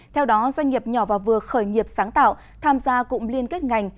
theo đó doanh nghiệp nhỏ và vừa khởi nghiệp sáng tạo tham gia cụm liên kết ngành